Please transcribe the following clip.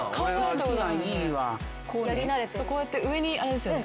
そうこうやって上にあれですよね